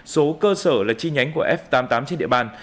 số cơ sở là chi nhánh của f tám mươi tám trên địa bàn